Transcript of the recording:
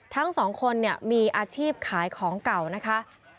ทั้งสองคนเนี่ยมีอาชีพขายของเก่านะคะ